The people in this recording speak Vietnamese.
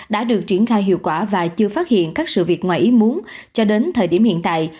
đã được triển khai hiệu quả và chưa phát hiện các sự việc ngoài ý muốn cho đến thời điểm hiện tại